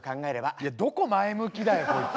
いやどこ前向きだよこいつ。